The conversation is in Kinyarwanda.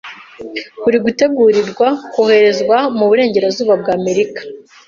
buri gutegurirwa koherezwa mu burengerazuba bw'Amerika.